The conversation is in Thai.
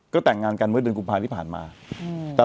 ก็แต่งงานกันเมื่อเดือนกลุ่มภาคุณภัณฑ์ไปเข้ามา